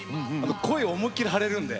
声を思い切り張れるんで。